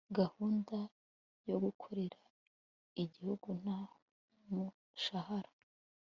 gahunda yo gukorera igihugu nta mushahara